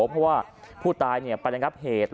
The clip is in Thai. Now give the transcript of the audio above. เพราะว่าผู้ตายเนี่ยก็ไม่ใช่ใคร